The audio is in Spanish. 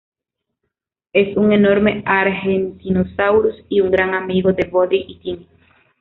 Es un enorme "Argentinosaurus" y un gran amigo de Buddy y Tiny.